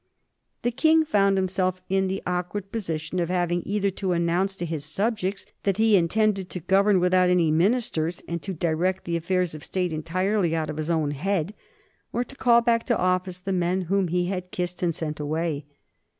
The King found himself in the awkward position of having either to announce to his subjects that he intended to govern without any ministers, and to direct the affairs of the State entirely out of his own head, or to call back to office the men whom he had kissed and sent away.